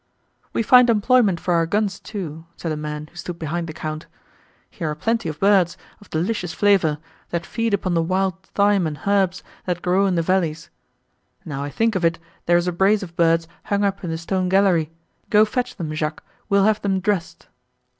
"We find employment for our guns too," said a man who stood behind the Count: "here are plenty of birds, of delicious flavour, that feed upon the wild thyme and herbs, that grow in the valleys. Now I think of it, there is a brace of birds hung up in the stone gallery; go fetch them, Jacques, we will have them dressed."